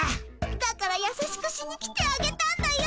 だから優しくしに来てあげたんだよ。